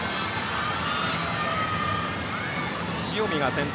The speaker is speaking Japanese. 塩見が先頭。